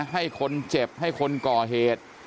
ให้คนเจ็บให้คนก่อเหตุ